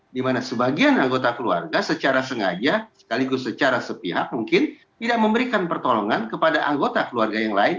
dimana sebagian anggota keluarga secara sengaja sekaligus secara sepihak mungkin tidak memberikan pertolongan kepada anggota keluarga yang lain